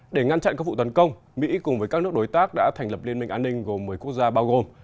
để ngăn chặn các vụ tấn công mỹ cùng với các nước đối tác đã thành lập liên minh an ninh gồm một mươi quốc gia bao gồm